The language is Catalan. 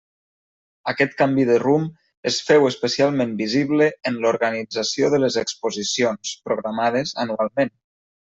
Aquest canvi de rumb es féu especialment visible en l'organització de les exposicions, programades anualment.